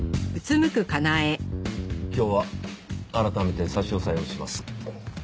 今日は改めて差し押さえをします。